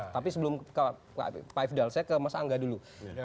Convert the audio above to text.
tapi sebelum pak fidal saya ke mas angga dulu